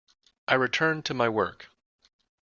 I returned to my work.